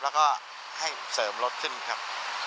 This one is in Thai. แล้วก็ให้เสริมรถขึ้นครับ